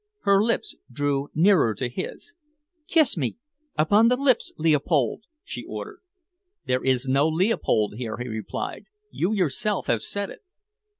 Her lips drew nearer to his. "Kiss me upon the lips, Leopold," she ordered. "There is no Leopold here," he replied; "you yourself have said it."